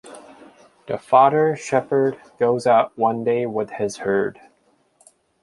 The father, shepherd, goes out one day with his herd.